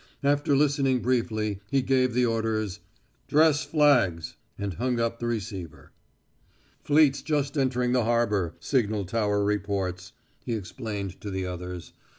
After listening briefly, he gave the orders, "Dress flags!" and hung up the receiver. "'Fleet's just entering the harbor,' signal tower reports," he explained to the others.